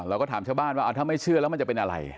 เราก็ถามชาวบ้านว่าถ้าไม่เชื่อแล้วมันจะเป็นอะไร